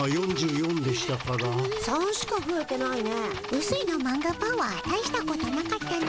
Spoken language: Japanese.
うすいのマンガパワーたいしたことなかったの。